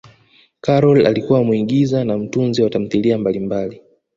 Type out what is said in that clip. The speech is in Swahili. karol alikuwa muigiza na mtunzi wa tamthilia mbalimbali